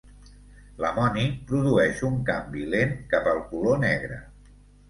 L'amoni produeix un canvi lent cap al color negre.